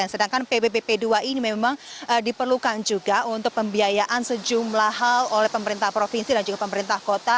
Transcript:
sedangkan pbbp dua ini memang diperlukan juga untuk pembiayaan sejumlah hal oleh pemerintah provinsi dan juga pemerintah kota